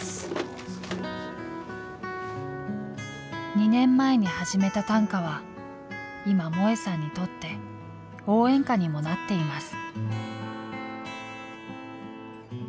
２年前に始めた短歌は今萌さんにとって応援歌にもなっています。